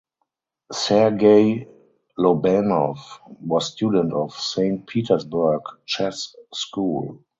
Sergei Lobanov was student of Saint Petersburg chess school.